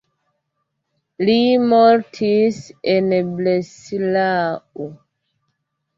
Li mortis en Breslau.